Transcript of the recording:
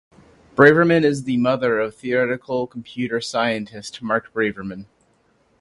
Braverman is the mother of theoretical computer scientist Mark Braverman.